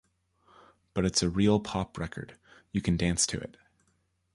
But it's a real pop record-you can dance to it.